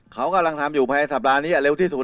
เขากำลังทำอยู่ภายในสัปดาห์นี้เร็วที่สุด